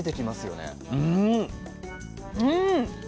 うん！